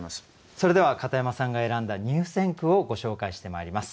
それでは片山さんが選んだ入選句をご紹介してまいります。